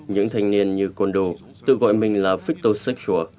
những thanh niên như kondo tự gọi mình là phích tâu sách chua